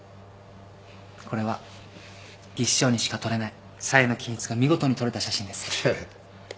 これは技師長にしか撮れない左右の均一が見事にとれた写真です。